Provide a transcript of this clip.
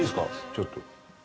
ちょっと。